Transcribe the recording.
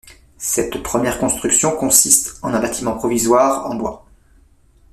Cette première construction consiste en un bâtiment provisoire, en bois.